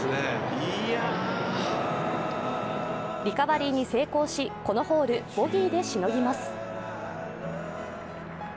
リカバリーに成功し、このホールボギーでしのぎます。